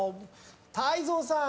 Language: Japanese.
泰造さん。